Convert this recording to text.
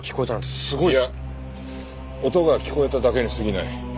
いや音が聞こえただけにすぎない。